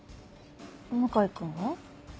向井君は？